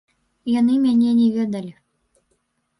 Яны мяне не ведалі.